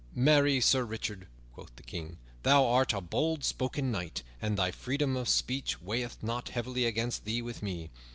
"Marry, Sir Richard," quoth the King, "thou art a bold spoken knight, and thy freedom of speech weigheth not heavily against thee with me.